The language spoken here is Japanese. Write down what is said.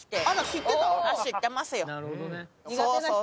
知ってますよ。